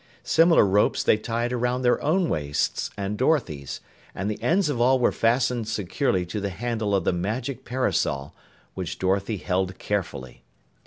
Similar ropes they tied around their own waists and Dorothy's, and the ends of all were fastened securely to the handle of the magic parasol, which Dorothy held carefully.